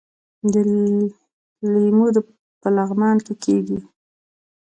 لیمو په لغمان کې کیږي